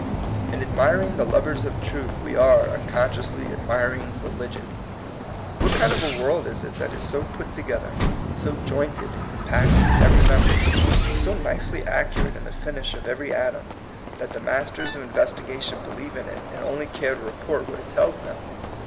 In admiring the lovers of truth we are unconsciously admiring religion. What kind of a world is it that is so put to gether, so jointed and compacted in every member, so nicely accurate in the finish of every atom, that the masters of inves tigation believe in it, and only care to THE POINT OF VIEW. 67 report what it tells them?